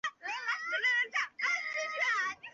济州本是辽朝东京道黄龙府。